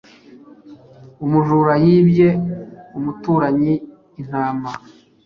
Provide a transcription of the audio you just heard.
Umujura yibye umuturanyi intama